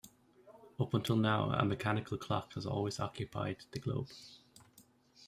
Up until now, a mechanical clock had always accompanied the globe.